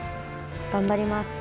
頑張ります。